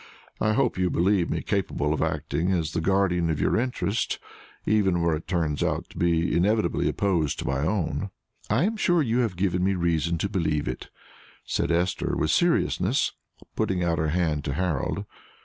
I hope you believe me capable of acting as the guardian of your interest, even where it turns out to be inevitably opposed to my own." "I am sure you have given me reason to believe it," said Esther, with seriousness, putting out her hand to Harold.